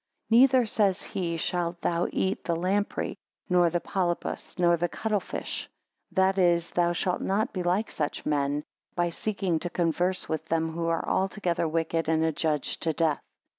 6 Neither, says he, shalt thou eat the lamprey, nor the polypus, nor the cuttle fish; that is thou shalt not be like such men, by seeking to converse with them who are altogether wicked and adjudged to death.